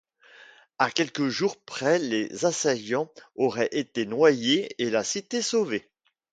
À quelques jours près les assaillants auraient été noyés et la cité sauvée.